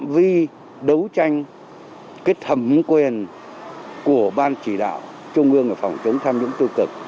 biểu hiện của ban chỉ đạo trung ương về phòng chống tham nhũng tiêu cực